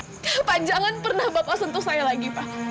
bapak jangan pernah bapak sentuh saya lagi pak